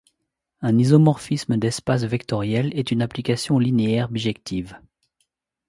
Un isomorphisme d'espaces vectoriels est une application linéaire bijective.